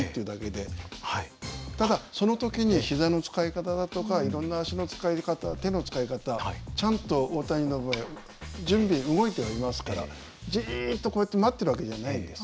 ただその時にひざの使い方だとかいろんな足の使い方手の使い方ちゃんと大谷の場合準備動いてはいますからじっとこうやって待ってる訳じゃないです。